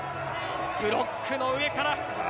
ブロックの上から。